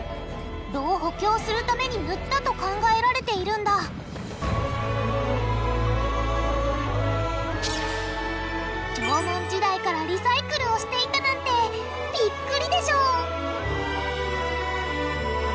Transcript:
炉を補強するために塗ったと考えられているんだ縄文時代からリサイクルをしていたなんてビックリでしょ！？